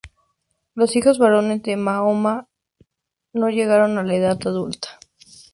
Los hijos varones de Mahoma no llegaron a la edad adulta.